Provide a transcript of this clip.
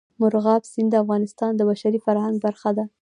مورغاب سیند د افغانستان د بشري فرهنګ برخه ده.